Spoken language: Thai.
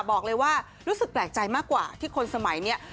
บอกเลยว่ารู้สึกแปลกใจมากกว่าที่คนสมัยนี้